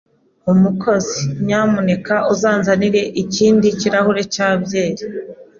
Umukozi, nyamuneka uzanzanire ikindi kirahure cya byeri.